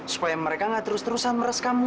supaya mereka nggak terus terusan meres kamu